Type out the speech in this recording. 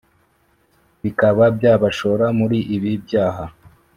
bikaba byabashora muri ibi byaha